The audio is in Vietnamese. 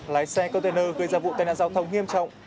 lái xe container gây ra vụ tai nạn giao thông nghiêm trọng